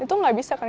itu gak bisa kan